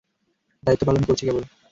দায়িত্ব পালন করছি কেবল।